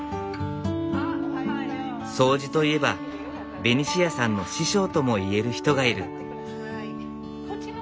掃除といえばベニシアさんの師匠とも言える人がいる。